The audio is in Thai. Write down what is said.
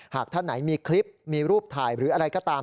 หากท่านไหนมีคลิปมีรูปถ่ายหรืออะไรก็ตาม